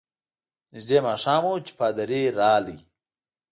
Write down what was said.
نژدې ماښام وو چي پادري راغلی.